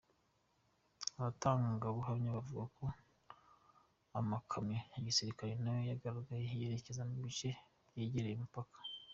Abatangabuhamwa bavuga ko amakamyo ya gisirikare nayo yagaragaye yerekeza mu bice byegereye umupaka.